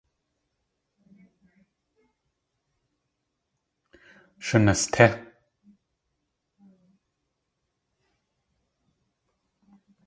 Shunastí!